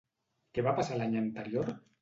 Què va passar l'any anterior?